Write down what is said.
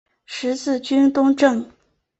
十字军东征。